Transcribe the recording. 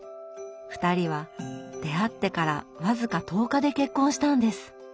２人は出会ってから僅か１０日で結婚したんです！